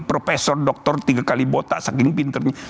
profesor doktor tiga kali botak saking pinternya